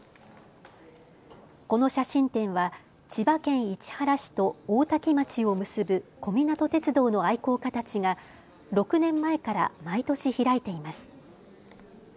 この写真展は千葉県市原市と大多喜町を結ぶ小湊鐵道の愛好家たちが６年前から毎年開いています。